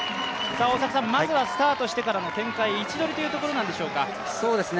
大迫さん、まずはスタートしてからの展開、位置取りというところなんでしょうか。